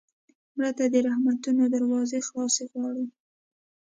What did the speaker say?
مړه ته د رحمتونو دروازې خلاصې غواړو